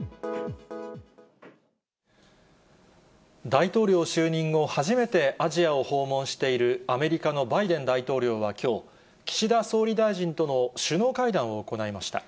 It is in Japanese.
大統領就任後、初めてアジアを訪問しているアメリカのバイデン大統領はきょう、岸田総理大臣との首脳会談を行いました。